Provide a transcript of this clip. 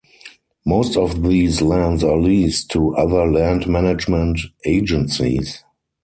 Most of these lands are leased to other land management agencies.